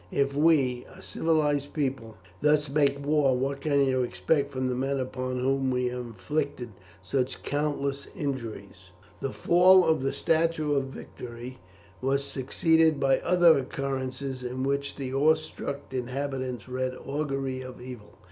If we, a civilized people, thus make war, what can you expect from the men upon whom we have inflicted such countless injuries?" The fall of the statue of Victory was succeeded by other occurrences in which the awestruck inhabitants read augury of evil.